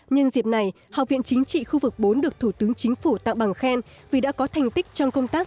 nhân dịp này học viện chính trị khu vực bốn được thủ tướng chính phủ tặng bằng khen vì đã có thành tích trong công tác